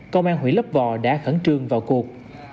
công an huyện lấp vò đã khẩn trương vào cuộc